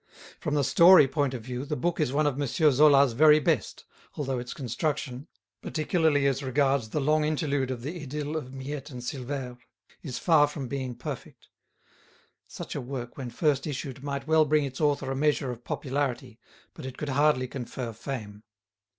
From the "story" point of view the book is one of M. Zola's very best, although its construction—particularly as regards the long interlude of the idyll of Miette and Silvère—is far from being perfect. Such a work when first issued might well bring its author a measure of popularity, but it could hardly confer fame.